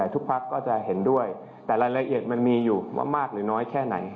พักก็จะเห็นด้วยแต่รายละเอียดมันมีอยู่ว่ามากหรือน้อยแค่ไหน